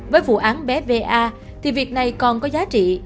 với vụ án bé va thì việc này còn có giá trị